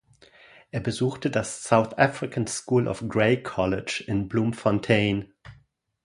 Er besuchte das "South African School of Grey College" in Bloemfontein.